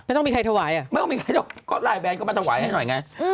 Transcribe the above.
ไม่ต้องมีใครที่ทำนะก็ไลน์แมนก็มาถวายให้หน่อยไง